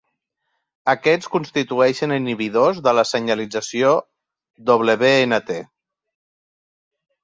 Aquests constitueixen inhibidors de la senyalització Wnt.